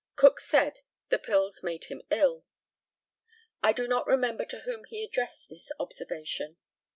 Cook said the pills made him ill. I do not remember to whom he addressed this observation.